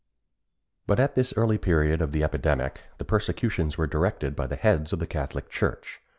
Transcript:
But at this early period of the epidemic the persecutions were directed by the heads of the Catholic Church.